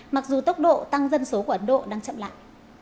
mặc dù tốc độ tăng dân số của ấn độ đang chậm lại